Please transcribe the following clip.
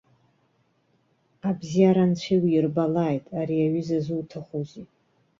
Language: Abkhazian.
Абзиара анцәа иуирбалааит, ари аҩыза зуҭахузеи!